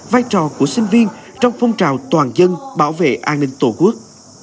vai trò của sinh viên trong phong trào toàn dân bảo vệ an ninh tổ quốc